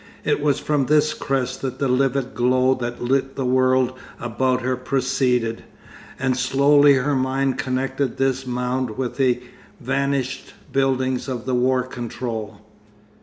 It was from this crest that the livid glow that lit the world about her proceeded, and slowly her mind connected this mound with the vanished buildings of the War Control.